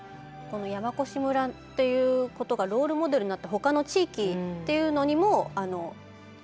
この山古志村っていうことがロールモデルになってほかの地域っていうのにも一緒に同じようにできる？